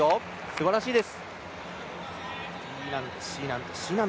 すばらしいです。